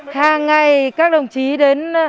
hàng ngày các đồng chí đến